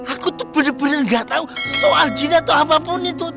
aku tuh bener bener gak tahu soal jin atau apapun itu